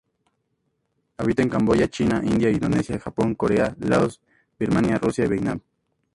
Habita en Camboya, China, India, Indonesia, Japón, Corea, Laos, Birmania, Rusia y Vietnam.